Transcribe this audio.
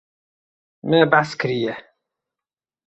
Me behs kiriye.